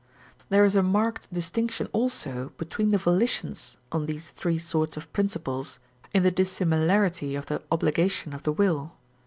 There is a marked distinction also between the volitions on these three sorts of principles in the dissimilarity of the obligation of the will.